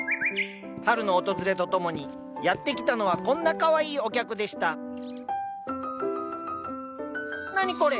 春の訪れとともにやって来たのはこんなかわいいお客でした何これ。